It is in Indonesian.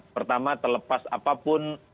pertama terlepas apa pun